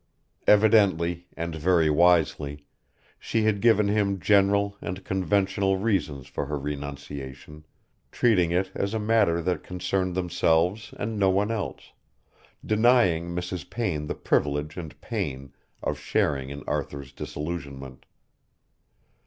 Evidently, and very wisely, she had given him general and conventional reasons for her renunciation, treating it as a matter that concerned themselves and no one else, denying Mrs. Payne the privilege and pain of sharing in Arthur's disillusionment.